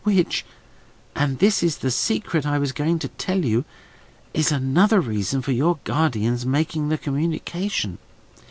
Which—and this is the secret I was going to tell you—is another reason for your guardian's making the communication.